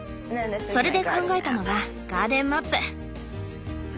それで考えたのがガーデンマップ！